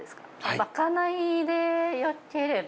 まかないでよければ。